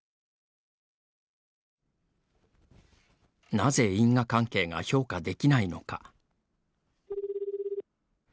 なぜ、因果関係が評価できないのか？